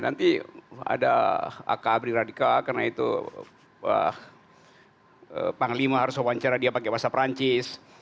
nanti ada akabri radikal karena itu panglima harus wawancara dia pakai bahasa perancis